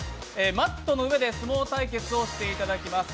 マットの上で相撲対決をしていただきます。